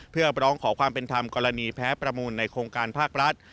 เพื่อร้องขอความเป็นธรรมกรณีแพ้ประมูลในโครงการภาครัฐ